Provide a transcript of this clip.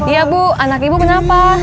iya bu anak ibu kenapa